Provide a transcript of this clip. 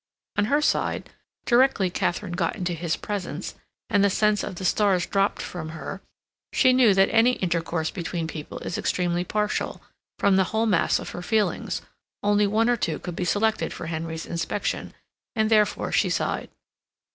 On her side, directly Katharine got into his presence, and the sense of the stars dropped from her, she knew that any intercourse between people is extremely partial; from the whole mass of her feelings, only one or two could be selected for Henry's inspection, and therefore she sighed.